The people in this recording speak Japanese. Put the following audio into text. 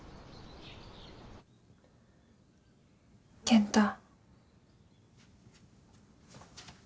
健太。